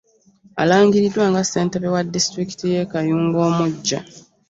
Alangiriddwa nga ssentebe wa disitulikiti y'e Kayunga omuggya